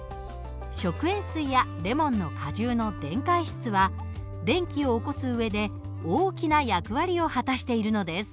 食塩水やレモンの果汁の電解質は電気を起こす上で大きな役割を果たしているのです。